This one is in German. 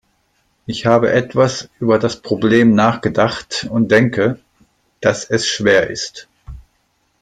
Ich habe etwas über das Problem nachgedacht und denke, dass es schwer ist.